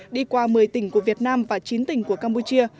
đi qua một mươi tỉnh của việt nam và chín tỉnh của campuchia